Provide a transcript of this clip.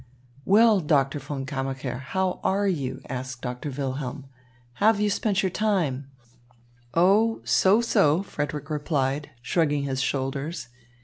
"Well, Doctor von Kammacher, how are you?" asked Doctor Wilhelm. "How have you spent your time?" "Oh, so, so," Frederick replied, shrugging his shoulders.